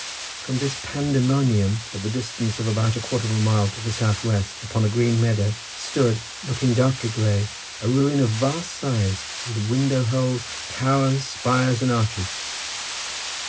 From this pandemonium, at the distance of about a quarter of a mile to the southwest, upon a green meadow, stood, looking darkly grey, a ruin of vast size with window holes, towers, spires, and arches.